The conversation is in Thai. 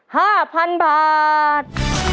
ห้าพันบาท